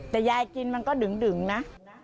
แต่ยายกินมันก็ดึงนะ